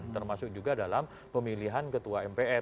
termasuk juga dalam pemilihan ketua mpr